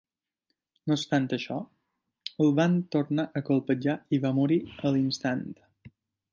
No obstant això, el van tornar a colpejar i va morir a l'instant.